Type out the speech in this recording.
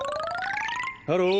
ハロー。